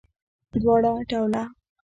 دواړه ډوله